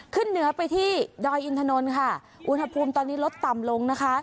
ขึ้นเหนือไปที่ดอยอินทนนท์ค่ะอุณหภูมิตอนนี้ลดต่ำลงนะคะ